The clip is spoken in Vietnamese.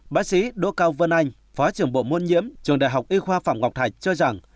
bác sĩ đỗ cao vân anh phó trưởng bộ môn nhiễm trường đại học y khoa phạm ngọc thạch cho rằng